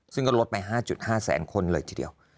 ซึ่งก็ลดไป๕๕แสนคนเลยทีเดียว